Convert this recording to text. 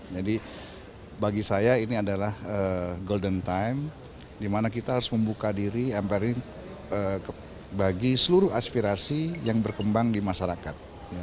jadi bagi saya ini adalah golden time di mana kita harus membuka diri mpr ini bagi seluruh aspirasi yang berkembang di masyarakat